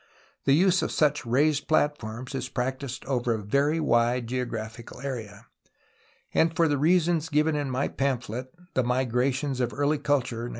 The use of such raised plat forms is practised over a very wide geographical area, and for the reasons given in my pamphlet The 3Iigrations of Early Culture (1915).